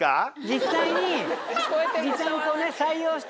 実際に。